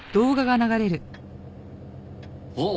あっ！